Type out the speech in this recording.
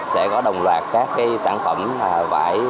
sẽ có đồng loạt các sản phẩm vải thiều